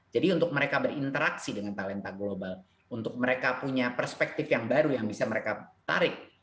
jadi untuk mereka berinteraksi dengan talenta global untuk mereka punya perspektif yang baru yang bisa mereka tarik